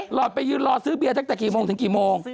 หอดไปยืนรอซื้อเบียร์ตั้งแต่กี่โมงถึงกี่โมง